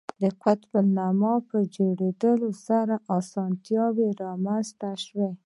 د قطب نما په جوړېدو سره اسانتیا رامنځته شوه.